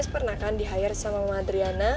pernah kan di hire sama mamah adriana